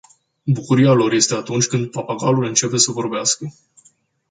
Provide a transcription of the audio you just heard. Bucuria lor este atunci când papagalul începe să vorbească.